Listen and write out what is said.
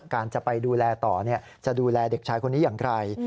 การจะไปดูแลต่อจะดูแลเด็กชายคนนี้อย่างไร